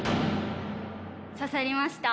刺さりました。